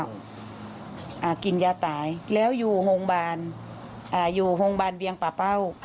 อ่ากินยาตายแล้วอยู่โฮงบานอ่าอยู่โฮงบานเบียงป่าเป้า